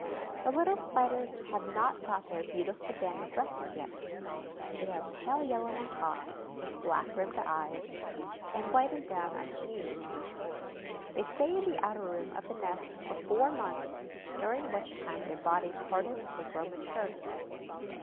The little Spiders have not got their beautiful banded dresses yet; they are pale yellow on top, with black rimmed eyes, and white and brown underneath. They stay in the outer room of the nest for four months, during which time their bodies harden and they grow mature.